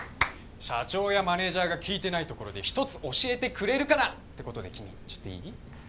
社長やマネジャーが聞いてないところで１つ教えてくれるかなってことで君ちょっといい？